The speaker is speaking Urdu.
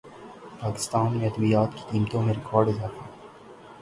پاکستان میں ادویات کی قیمتوں میں ریکارڈ اضافہ